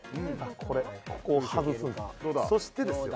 これここを外すそしてですよ